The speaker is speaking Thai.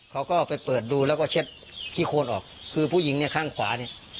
เขาก็ไปเปิดดูแล้วก็เช็ดขี้โคนออกคือผู้หญิงเนี่ยข้างขวาเนี่ย